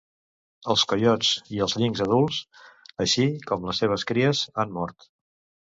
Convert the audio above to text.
Els coiots i els linxs adults, així com les seves cries han mort.